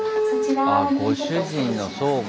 あご主人のそうか。